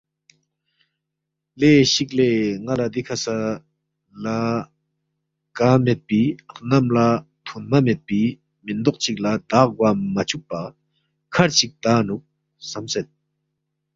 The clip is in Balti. لے شِک لے ن٘ا لہ دِکھہ سہ لہ کا میدپی، خنم لہ تھُونمہ میدپی، مِندوق چِک لہ داغ گوا مہ چُوکپا کَھر چِک تنگنُوک خسمید